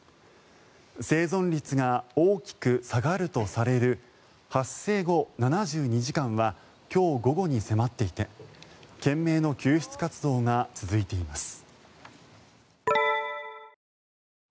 生存率が大きく下がるとされる発生後７２時間は今日午後に迫っていて懸命の救出活動が続いています。